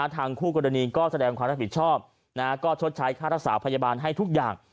คู่กรณีก็แสดงความรับผิดชอบก็ชดใช้ค่ารักษาพยาบาลให้ทุกอย่าง